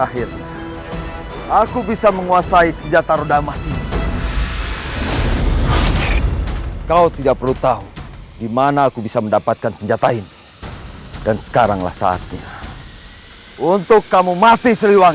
hai akhirnya aku bisa menguasai senjata roda emas ini kau tidak perlu tahu di mana aku bisa mendapatkan senjata ini dan sekaranglah saatnya untuk kamu mati seriwangi